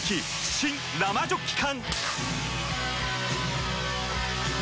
新・生ジョッキ缶！